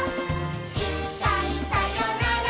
「いっかいさよなら